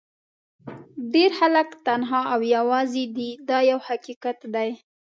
ډېر خلک تنها او یوازې دي دا یو حقیقت دی.